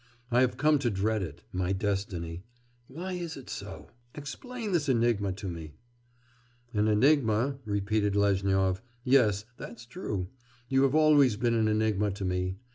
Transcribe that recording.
I have come to dread it my destiny.... Why is it so? Explain this enigma to me!' 'An enigma!' repeated Lezhnyov. 'Yes, that's true; you have always been an enigma for me.